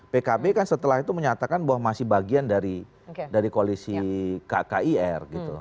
pkb kan setelah itu menyatakan bahwa masih bagian dari koalisi kkir gitu